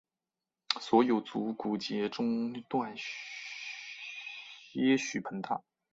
所有足股节中段些许膨大。